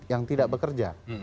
yang tidak bekerja